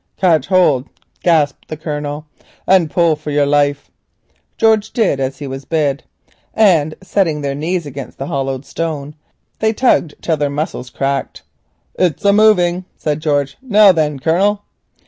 "Catch hold," gasped the Colonel, "and pull for your life." George did as he was bid, and setting their knees against the hollowed stone, they tugged till their muscles cracked. "It's a moving," said George. "Now thin, Colonel."